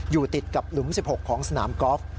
อยู่ติดกับหลุม๑๖ของสนามกอล์ฟ